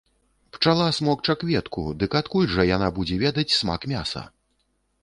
Пчала смокча кветку, дык адкуль жа яна будзе ведаць смак мяса?